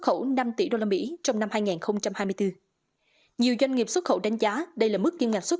khẩu năm tỷ usd trong năm hai nghìn hai mươi bốn nhiều doanh nghiệp xuất khẩu đánh giá đây là mức kim ngạch xuất